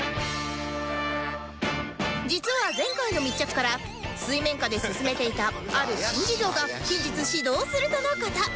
実は前回の密着から水面下で進めていたある新事業が近日始動するとの事